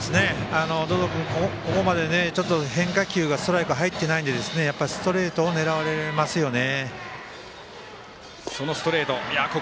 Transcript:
百々君ここまで変化球がストライク入ってないのでストレートを狙われますよね。